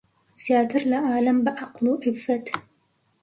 زیاتر لە عالەم بە عەقڵ و عیففەت